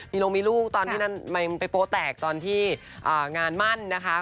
มีลงมีลูกตอนที่ไปโป๊แตกตอนที่งานมั่นนะคะ